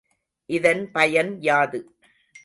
இதன் பயன் யாது?